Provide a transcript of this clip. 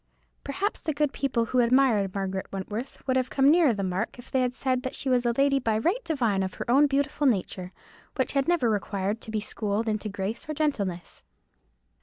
Perhaps the good people who admired Margaret Wentworth would have come nearer the mark if they had said that she was a lady by right divine of her own beautiful nature, which had never required to be schooled into grace or gentleness.